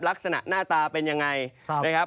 ลักษณะหน้าตาเป็นยังไงนะครับ